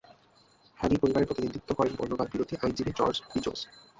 হ্যানি পরিবারের প্রতিনিধিত্ব করেন বর্ণবাদ বিরোধী আইনজীবী জর্জ বিজোস।